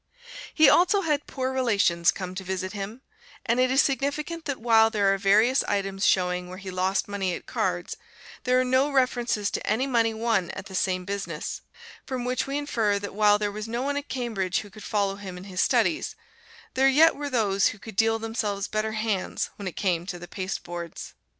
He also had "poor relations" come to visit him; and it is significant that while there are various items showing where he lost money at cards, there are no references to any money won at the same business, from which we infer that while there was no one at Cambridge who could follow him in his studies, there yet were those who could deal themselves better hands when it came to the pasteboards.